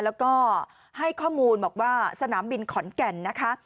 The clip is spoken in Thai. แล้วก็ให้ข้อมูลบอกว่าสนามบินขอนแก่นนะคะ